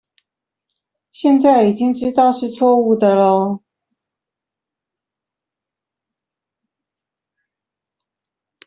現在已經知道是錯誤的囉